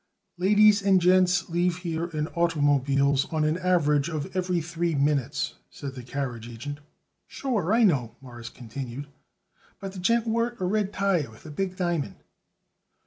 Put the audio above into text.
"Ladies and gents leave here in automobiles on an average of every three minutes," said the carriage agent. "Sure, I know," Morris continued, "but the gent wore it a red tie with a big diamond."